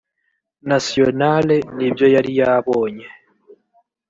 nationale n ibyo yari yarabonye